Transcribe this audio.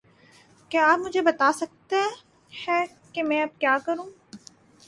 کیا آپ مجھے بتا سکتے ہے کہ میں اب کیا کروں؟